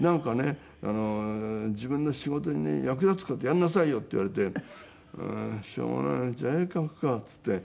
自分の仕事にね役立つ事やんなさいよ！」って言われて「うーん。しょうがない」「じゃあ絵描くか」って言って。